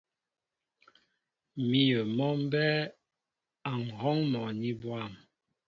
Míyə mɔ mbɛ́ɛ́ a ŋ̀hɔ́ŋ mɔní bwâm.